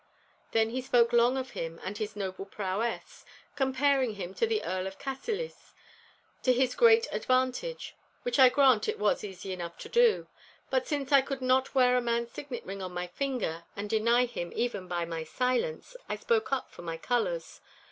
Then he spoke long of him and his noble prowess, comparing him to the Earl of Cassillis, to his great advantage—which I grant it was easy enough to do. But since I could not wear a man's signet ring on my finger and deny him even by my silence, I spoke up for my colours.